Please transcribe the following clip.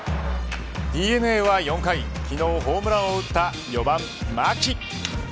ＤｅＮＡは４回昨日ホームランを打った４番牧。